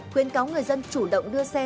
khuyên cáo người dân chủ động đưa xe